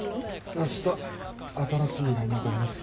あした新しい依頼人と話す。